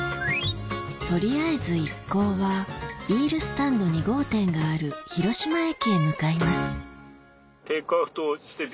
取りあえず一行はビールスタンド２号店がある広島駅へ向かいますいや。